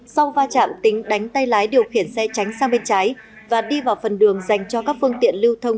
sau va chạm tính đánh tay lái điều khiển xe tránh sang bên trái và đi vào phần đường dành cho các phương tiện lưu thông